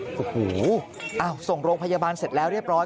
โอ้โหส่งโรงพยาบาลเสร็จแล้วเรียบร้อย